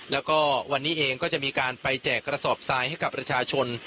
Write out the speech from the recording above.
แล้วก็วันนี้เองก็จะมีการไปแจกกระสอบทรายให้กับประชาชน